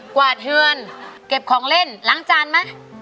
วาดเฮือนเก็บของเล่นล้างจานไหม